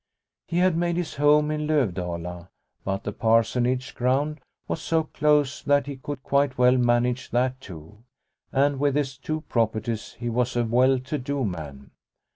He had made his home in Lovdala, but the Parsonage ground was so close that he could quite well manage that too, and with his two properties he was a well to do man.